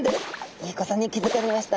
いいことに気づかれました。